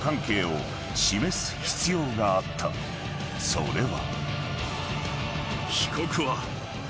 ［それは］